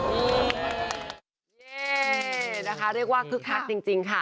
นี่นะคะเรียกว่าคึกคักจริงค่ะ